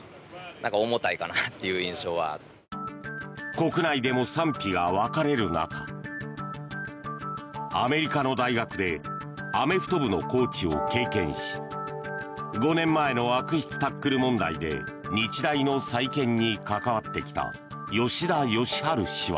国内でも賛否が分かれる中アメリカの大学でアメフト部のコーチを経験し５年前の悪質タックル問題で日大の再建に関わってきた吉田良治氏は。